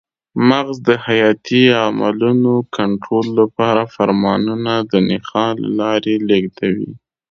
مغز د حیاتي عملونو کنټرول لپاره فرمانونه د نخاع له لارې لېږدوي.